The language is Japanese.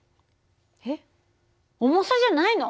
えっ重さじゃないの？